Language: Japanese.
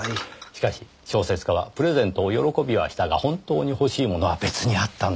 しかし小説家はプレゼントを喜びはしたが本当に欲しいものは別にあったんです。